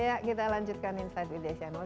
ya kita lanjutkan insight with desi anwar